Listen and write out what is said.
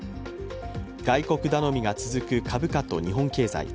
外国頼みが続く株価と日本経済。